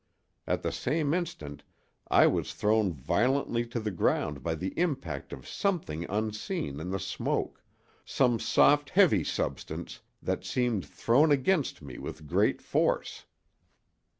At the same instant I was thrown violently to the ground by the impact of something unseen in the smoke—some soft, heavy substance that seemed thrown against me with great force.